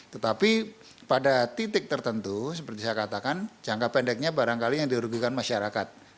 tetapi pada titik tertentu seperti saya katakan jangka pendeknya barangkali yang dirugikan masyarakat